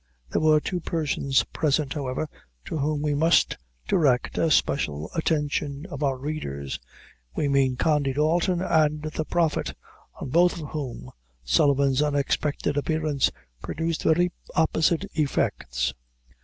There were two persons present, however, to whom we must direct the special attention of our readers we mean Condy Dalton and the Prophet, on both of whom Sullivan's unexpected appearance produced very opposite effects.